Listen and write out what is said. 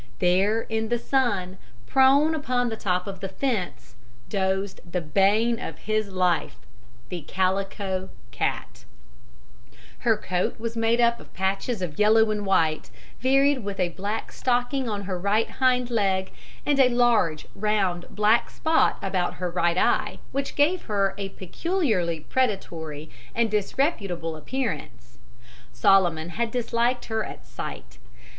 There in the sun, prone upon the top of the fence, dozed the bane of his life the Calico Cat. Her coat was made up of patches of yellow and white, varied with a black stocking on her right hind leg, and a large, round, black spot about her right eye, which gave her a peculiarly predatory and disreputable appearance. Solomon had disliked her at sight.